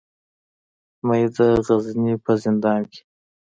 مې د غزني په زندان کې.